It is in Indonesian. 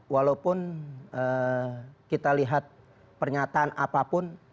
walaupun kita lihat pernyataan apapun